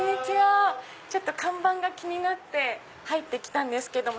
看板が気になって入って来たんですけど。